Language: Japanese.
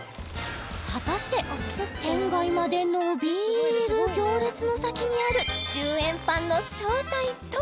果たして店外まで延びる行列の先にある１０円パンの正体とは？